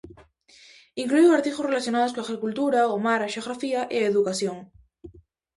Incluíu artigos relacionados coa agricultura, o mar, a xeografía e a educación.